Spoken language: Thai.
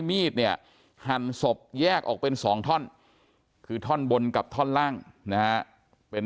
มีดเนี่ยหั่นศพแยกออกเป็น๒ท่อนคือท่อนบนกับท่อนล่างนะฮะเป็น